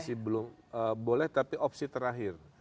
masih belum boleh tapi opsi terakhir